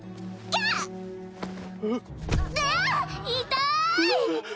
痛い！